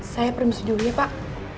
saya permisi dulu ya pak